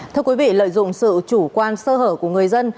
thưa quý vị lợi dụng sự chủ quan sơ hở của người dân